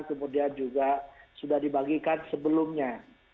kemudian juga sudah dibagikan sebelumnya